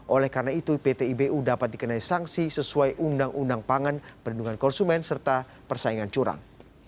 oleh karena itu pt ibu dapat dikenai sanksi sesuai undang undang pangan perlindungan konsumen serta persaingan curang